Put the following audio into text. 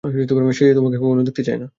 সে তোমাকে কখনো দেখতে চায় না।